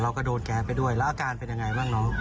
โดนแก๊สไปด้วยแล้วอาการเป็นยังไงบ้างน้อง